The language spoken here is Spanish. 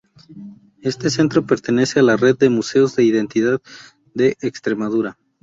Este Centro pertenece a la Red de Museos de Identidad de Extremadura.